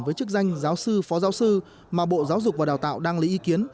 với chức danh giáo sư phó giáo sư mà bộ giáo dục và đào tạo đang lấy ý kiến